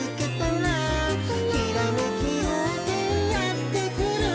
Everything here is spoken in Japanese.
「ひらめきようせいやってくる」